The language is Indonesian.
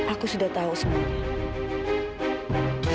aku sudah tahu semuanya